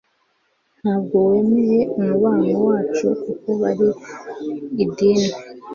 ntabwo wemeye umubano wacu kuko bari idini